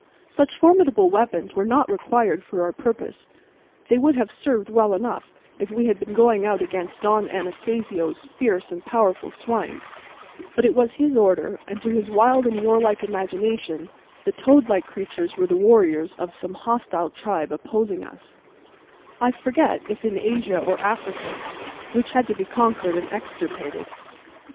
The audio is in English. Such formidable weapons were not required for our purpose: they would have served well enough if we had been going out against Don Anastacio's fierce and powerful swine; but it was his order, and to his wild and warlike imagination the toad like creatures were the warriors of some hostile tribe opposing us, I forget if in Asia or Africa, which had to be conquered and extirpated.